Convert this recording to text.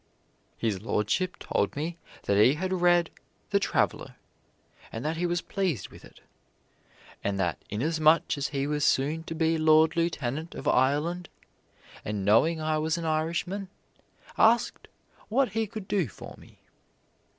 "His lordship told me that he had read 'The Traveler,' and that he was pleased with it, and that inasmuch as he was soon to be Lord Lieutenant of Ireland, and knowing I was an Irishman, asked what he could do for me!"